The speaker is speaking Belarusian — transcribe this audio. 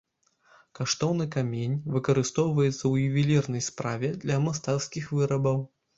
Каштоўны камень, выкарыстоўваецца ў ювелірнай справе, для мастацкіх вырабаў.